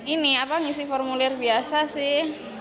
ini apa ngisi formulir biasa sih